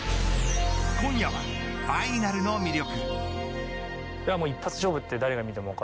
今夜は、ファイナルの魅力。